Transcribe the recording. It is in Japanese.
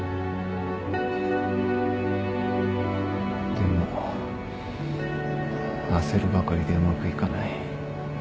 でも焦るばかりでうまくいかない。